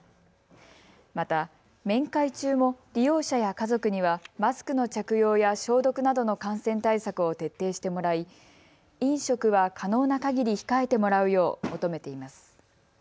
また、面会中も利用者や家族にはマスクの着用や消毒などの感染対策を徹底してもらい飲食は可能なかぎり控えてもらうよう求めています。